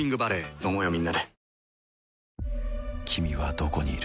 飲もうよみんなで。